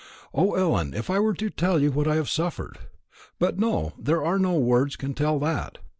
"O, Ellen, if I were to tell you what I have suffered! But no, there are no words can tell that.